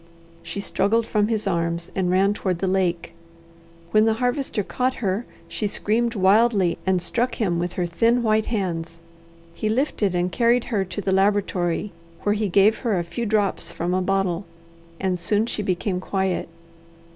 She struggled from his arms and ran toward the lake. When the Harvester caught her, she screamed wildly, and struck him with her thin white hands. He lifted and carried her to the laboratory, where he gave her a few drops from a bottle and soon she became quiet.